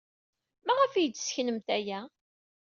Maɣef ay iyi-d-tesseknemt aya?